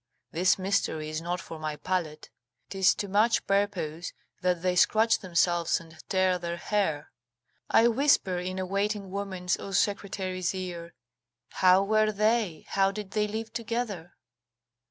This mystery is not for my palate; 'tis to much purpose that they scratch themselves and tear their hair. I whisper in a waiting woman's or secretary's ear: "How were they, how did they live together?"